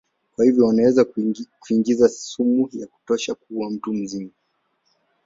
Kwa hivyo wanaweza kuingiza sumu ya kutosha kuua mtu mzima.